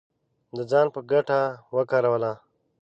د ځان په ګټه وکاروله